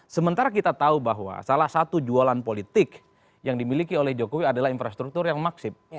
sementara kita tahu bahwa salah satu jualan politik yang dimiliki oleh jokowi adalah infrastruktur yang maksib